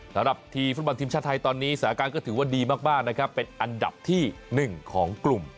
สำหรับทีมฟุตบอลทีมชาติไทยตอนนี้สถานการณ์ก็ถือว่าดีมากนะครับเป็นอันดับที่๑ของกลุ่ม